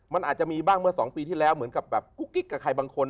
มันอาจจะมีบ้างเมื่อ๒ปีที่แล้วเหมือนกับแบบกุ๊กกิ๊กกับใครบางคน